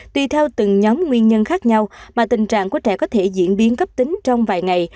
tùy theo từng nhóm nguyên nhân khác nhau mà tình trạng của trẻ có thể diễn biến cấp tính trong vài ngày